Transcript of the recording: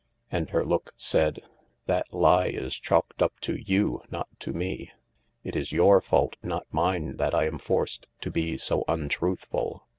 And her look said, " That lie is chalked up to you, not to me. It is your fault, not mine, that I am forced to be so untruthful."